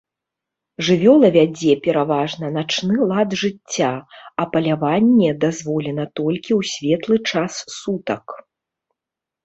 Жывёла вядзе пераважна начны лад жыцця, а паляванне дазволена толькі ў светлы час сутак.